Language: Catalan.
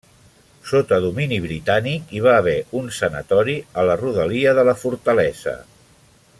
Sota domini britànic hi va haver un sanatori a la rodalia de la fortalesa.